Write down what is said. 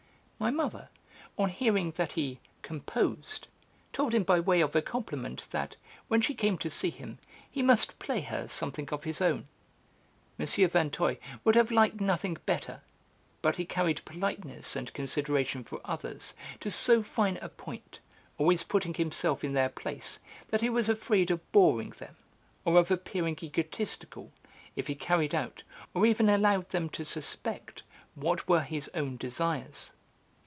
My mother, on hearing that he 'composed,' told him by way of a compliment that, when she came to see him, he must play her something of his own. M. Vinteuil would have liked nothing better, but he carried politeness and consideration for others to so fine a point, always putting himself in their place, that he was afraid of boring them, or of appearing egotistical, if he carried out, or even allowed them to suspect what were his own desires.